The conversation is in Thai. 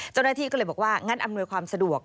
เจ้าหน้าที่ก็เลยบอกว่างั้นอำนวยความสะดวก